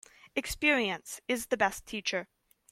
Experience is the best teacher.